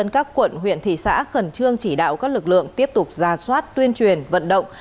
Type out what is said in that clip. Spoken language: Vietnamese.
các quận huyện thị xã khẩn trương chỉ đạo các lực lượng tiếp tục ra soát tuyên truyền vận động